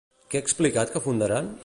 Què ha explicat que fundaran?